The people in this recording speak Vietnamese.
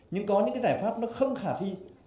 nhưng có những giải pháp nó không khả thi